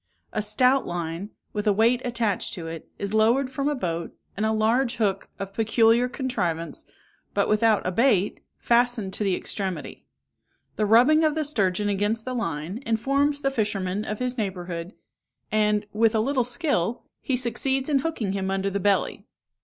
A stout line, with a weight attached to it, is lowered from a boat, and a large hook, of peculiar contrivance, but without a bait, fastened to the extremity. The rubbing of the sturgeon against the line informs the fisherman of his neighbourhood, and, with a little skill, he succeeds in hooking him under the belly.